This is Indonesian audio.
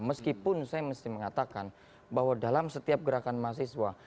meskipun saya mesti mengatakan bahwa dalam setiap gerakan mahasiswa